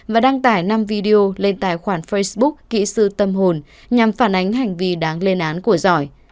và đăng tải năm video lên tài khoản facebook kỹ sư tâm hồn nhằm phản ánh hành vi đáng lên án của giỏi